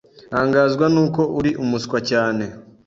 Ntangazwa nuko uri umuswa cyane.